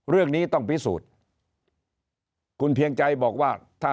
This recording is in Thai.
เรื่องนี้ต้องพิสูจน์คุณเพียงใจบอกว่าถ้า